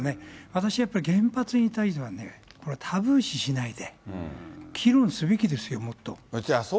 私、やっぱり原発に対しては、タブー視しないで議論すべきですよ、もっと。